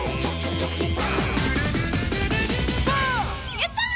やったー！